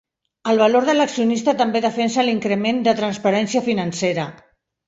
El valor de l'accionista també defensa l'increment de transparència financera.